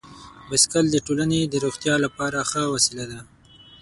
بایسکل د ټولنې د روغتیا لپاره ښه وسیله ده.